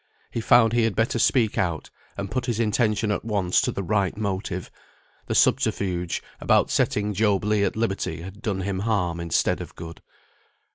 He found he had better speak out, and put his intention at once to the right motive; the subterfuge about setting Job Legh at liberty had done him harm instead of good.